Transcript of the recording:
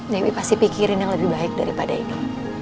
dewi pasti pikirin yang lebih baik daripada ini